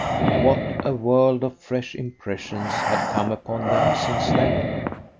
What a world of fresh impressions had come upon them since then!